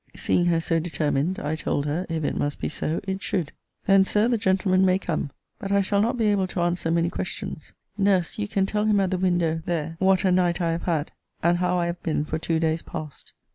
Seeing her so determined, I told her, if it must be so, it should. Then, Sir, the gentleman may come. But I shall not be able to answer many questions. Nurse, you can tell him at the window there what a night I have had, and how I have been for two days past.